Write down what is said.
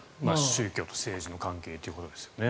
宗教と政治の関係ということですよね。